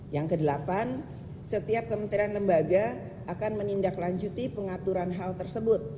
yang kedelapan setiap kementerian lembaga akan menindaklanjuti pengaturan hal tersebut